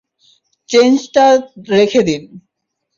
চেঞ্জটা রেখে দিন।